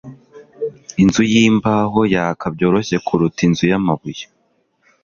Inzu yimbaho yaka byoroshye kuruta inzu yamabuye.